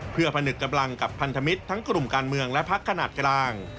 เพื่อผนึกกำลังกับพันธมิตรทั้งกลุ่มการเมืองและพักขนาดกลาง